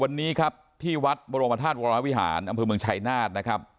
วันนี้ครับที่วัดบรมธาตุวรวิหารอำเภอเมืองชัยนาธนะครับ